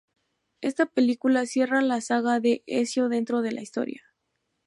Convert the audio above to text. Esta película cierra la saga de Ezio dentro de la historia.